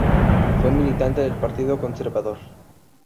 Fue militante del Partido Conservador.